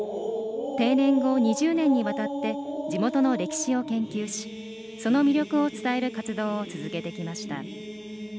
定年後、２０年にわたって地元の歴史を研究しその魅力を伝える活動を続けてきました。